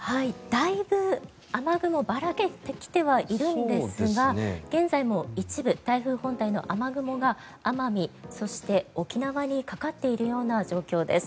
だいぶ雨雲ばらけてきてはいるんですが現在も一部、台風本体の雨雲が奄美そして沖縄にかかっているような状況です。